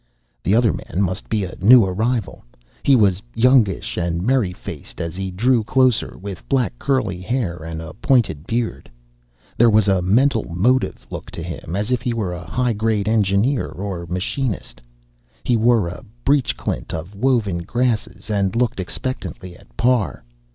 The other man must be a new arrival. He was youngish and merry faced as he drew closer, with black curly hair and a pointed beard. There was a mental motive look to him, as if he were a high grade engineer or machinist. He wore a breech clint of woven grasses, and looked expectantly at Parr.